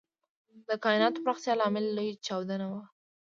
د کائناتو پراختیا لامل لوی چاودنه وه.